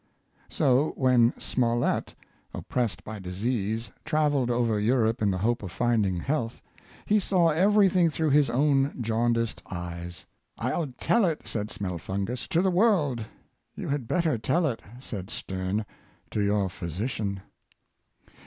So, when Smollett, oppressed by disease, traveled over Europe in the hope of finding health, he saw everything through his own jaundiced eyes. '' I'll tell it," said Smellfungus, " to the world." '•^ You had better tell it," said Sterne, "to your physician."